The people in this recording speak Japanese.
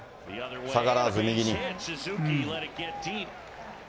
逆らわずに右に。